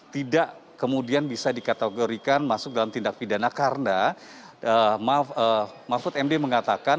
tidak kemudian bisa dikategorikan masuk dalam tindak pidana karena mahfud md mengatakan